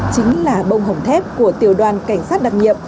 chính là bông hồng thép của tiểu đoàn cảnh sát đặc nhiệm